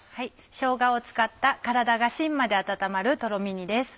しょうがを使った体がしんまで温まるとろみ煮です。